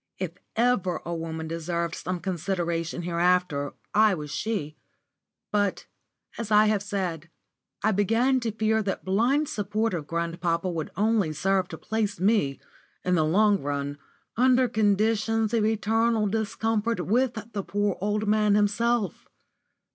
If ever a woman deserved some consideration hereafter, I was she; but, as I have said, I began to fear that blind support of grandpapa would only serve to place me, in the long run, under conditions of eternal discomfort with the poor old man himself.